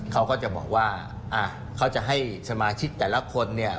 เขาก็จะบอกว่าเขาจะให้สมาชิกแต่ละคนเนี่ย